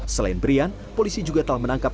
selain brian polisi juga telah menangkap